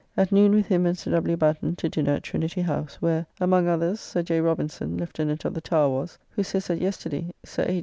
At noon with him and Sir W. Batten to dinner at Trinity House; where, among others, Sir J. Robinson, Lieutenant of the Tower, was, who says that yesterday Sir H.